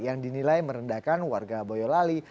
yang dinilai merendahkan warga boyolali